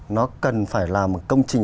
nó cần phải là một công trình